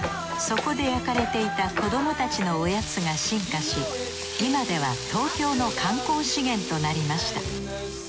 そこで焼かれていた子どもたちのおやつが進化し今では東京の観光資源となりました。